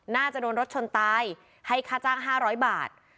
น่าจะโดนรถชนตายให้ค่าจ้าง๕๐๐บาท